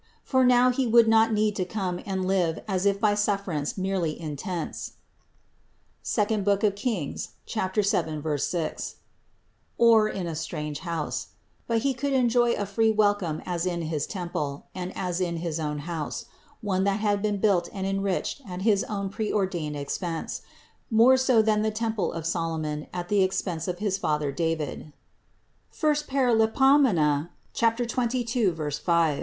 For now He would not need to come and live as if by sufferance merely in tents (II Kings 7, 6) or in a strange house; but He could enjoy a free welcome as in His temple and as in his own house, one that had been built and enriched at his own preordained expense, more so than the temple of Solomon at the expense of his father David (I Par. 22, 5). 92 THE INCARNATION 93 110.